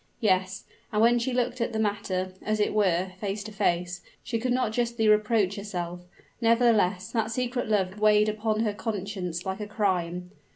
Yes, and when she looked at the matter, as it were, face to face, she could not justly reproach herself: nevertheless, that secret love weighed upon her conscience like a crime!